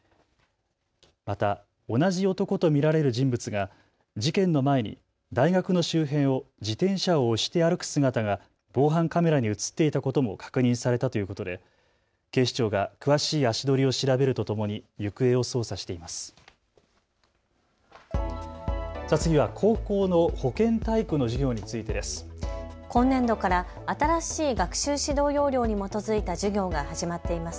また同じ男と見られる人物が事件の前に大学の周辺を自転車を押して歩く姿が防犯カメラに写っていたことも確認されたということで警視庁が詳しい足取りを調べるとともに行方を捜査しています。